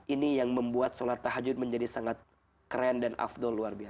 ini yang membuat sholat tahajud menjadi sangat keren dan afdol luar biasa